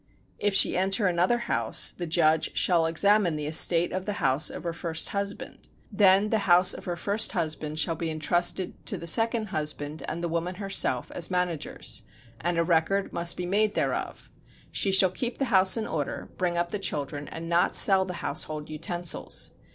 If she enter another house the judge shall examine the estate of the house of her first husband. Then the house of her first husband shall be intrusted to the second husband and the woman herself as managers. And a record must be made thereof. She shall keep the house in order, bring up the children, and not sell the household utensils.